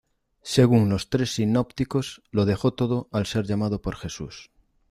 Según los tres sinópticos, lo dejó todo al ser llamado por Jesús.